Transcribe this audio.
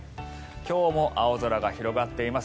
今日も青空が広がっています。